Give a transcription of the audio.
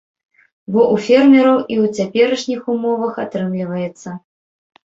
Бо ў фермераў і ў цяперашніх умовах атрымліваецца.